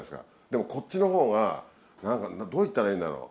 でもこっちの方が何かどう言ったらいいんだろう。